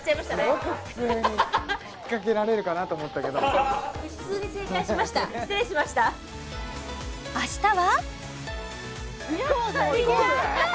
すごく普通に引っ掛けられるかなと思ったけど普通に正解しました失礼しました明日は行こうぜ行こうぜ！